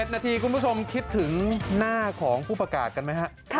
นาทีคุณผู้ชมคิดถึงหน้าของผู้ประกาศกันไหมฮะ